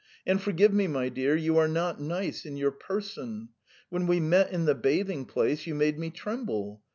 And forgive me, my dear; you are not nice in your person! When we met in the bathing place, you made me tremble.